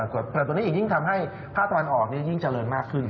ตัวนี้อีกยิ่งทำให้ภาคตะวันออกยิ่งเจริญมากขึ้น